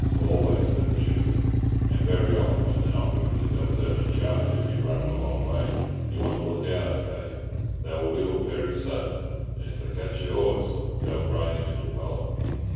"Always," said the shooter, "and very often when they're not wounded they'll turn and charge if you've run 'em a long way. You want to look out, I tell you. They'll wheel very sudden, and if they ketch your horse they'll grind him into pulp.